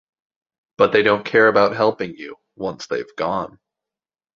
But they don’t care about helping you, once they’ve gone.